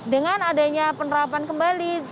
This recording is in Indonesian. dengan adanya penerapan kembali